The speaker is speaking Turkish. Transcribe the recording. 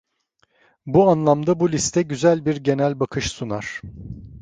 Bu anlamda bu liste güzel bir genel bakış sunar.